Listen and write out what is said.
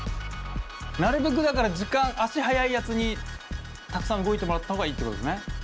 なるべくだから時間足速いやつにたくさん動いてもらった方がいいってことですね。